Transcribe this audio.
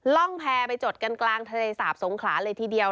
ร่องแพรไปจดกันกลางทะเลสาบสงขลาเลยทีเดียว